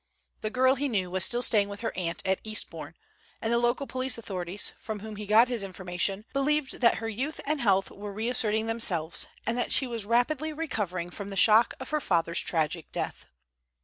The girl, he knew, was still staying with her aunt at Eastbourne, and the local police authorities, from whom he got his information, believed that her youth and health were reasserting themselves, and that she was rapidly recovering from the shock of her father's tragic death.